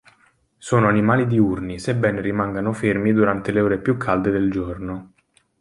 Sono animali diurni, sebbene rimangano fermi durante le ore più calde del giorno.